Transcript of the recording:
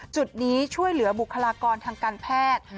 จุดนี้ช่วยเหลือบุคลากรทางการแพทย์